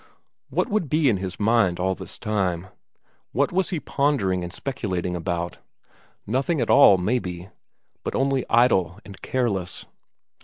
What would be in his mind all this time what was he pondering and speculating about? Nothing at all, maybe, but only idle and careless?